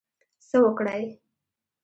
څه وکړی.